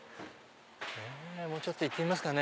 もうちょっと行ってみますかね。